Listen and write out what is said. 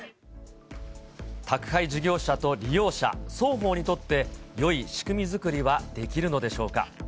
宅配事業者と利用者、双方にとってよい仕組み作りはできるのでしょうか。